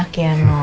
gak ada apa apa